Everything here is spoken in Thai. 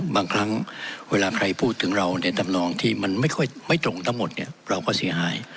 บางครั้งเวลาใครพูดถึงเราในธรรมนองที่มันไม่ค่อยไม่ตรงทั้งหมดเนี่ยเราก็เสียหาย